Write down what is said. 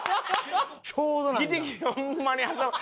ちょうどなんだ。